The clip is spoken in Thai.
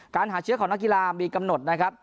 หาเชื้อของนักกีฬามีกำหนดนะครับ